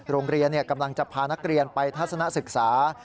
โรงเรียนกำลังจะพานักเรียนไปทัศนศึกษา